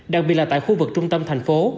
đặc biệt là tại khu vực trung tâm thành phố